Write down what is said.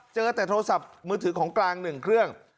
เจอแต่โทรศัพท์มือถือของกลาง๑เครื่อง